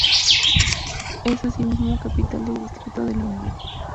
Es asimismo capital del distrito de La Unión.